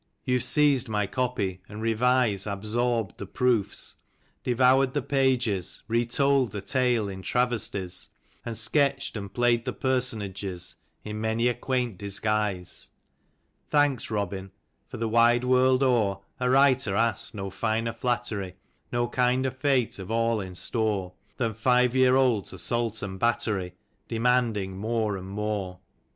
You've seized my copy and revise, Absorbed the proofs, devoured the pages, Retold the tale in travesties, And sketched and played the personages In many a quaint disguise. Thanks, Robin : for the wide world o'er A writer asks no finer flattery, No kinder fate of all in store, Than Five years old's assault and battery Demanding more and more.